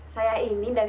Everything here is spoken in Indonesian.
saya ini dan ini